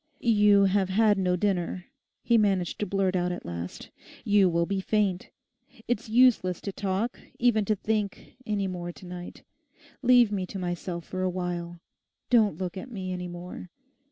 'You have had no dinner,' he managed to blurt out at last, 'you will be faint. It's useless to talk, even to think, any more to night. Leave me to myself for a while. Don't look at me any more.